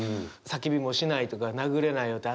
「叫びもしない」とか「殴れないよ」